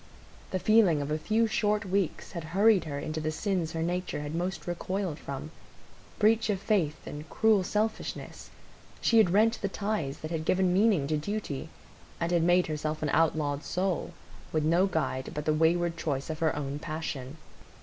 The feeling of a few short weeks had hurried her into the sins her nature had most recoiled from,—breach of faith and cruel selfishness; she had rent the ties that had given meaning to duty, and had made herself an outlawed soul, with no guide but the wayward choice of her own passion.